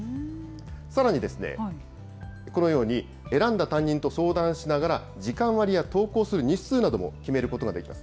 さらにこのように、選んだ担任と相談しながら、時間割や登校する日数なども決めることができます。